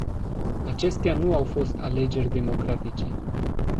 Acestea nu au fost alegeri democratice.